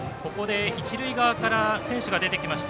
一塁側から選手が出てきました。